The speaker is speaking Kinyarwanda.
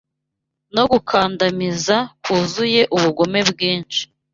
no gukandamiza kuzuye ubugome bwinshi